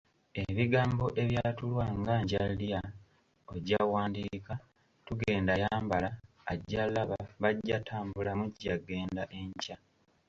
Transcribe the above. Ebigambo ebyatulwa nga nja lya, ojja wandiika, tugenda yambala, ajja laba, bajja ttambula, mujja ggenda enkya